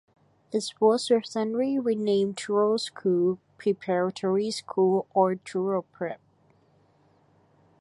It was recently renamed Truro School Preparatory School, or TruroPrep.